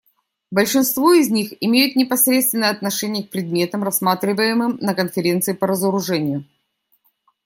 Большинство из них имеют непосредственное отношение к предметам, рассматриваемым на Конференции по разоружению.